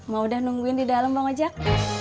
mau udah nungguin di dalam bang ajak